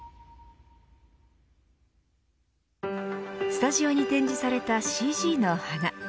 スタジオに展示されたＣＧの花。